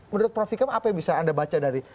menurut prof ikam apa yang bisa anda baca dari